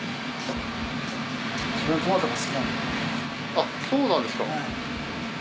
あっそうなんですか。